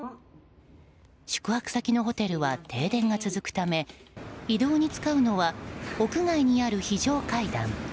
宿泊先のホテルは停電が続くため移動に使うのは屋外にある非常階段。